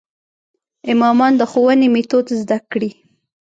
امامان د ښوونې میتود زده کړي.